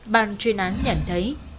ban chuyên án nhận thấy